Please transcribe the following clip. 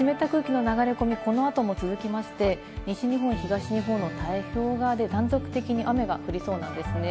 湿った空気の流れ込み、この後も続きまして、西日本、東日本の太平洋側で断続的に雨が降りそうなんですね。